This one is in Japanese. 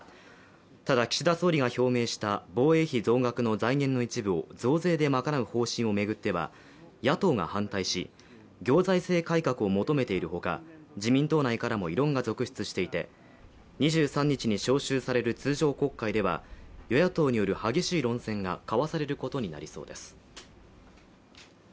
ただ、岸田総理が表明した防衛費増額の財源の一部を増税でまかなう方針を巡っては野党が反対し、行財政改革を求めているほか自民党内からも異論が続出していて２３日に召集される通常国会では与野党による激しい論戦が交わされることになりそうです。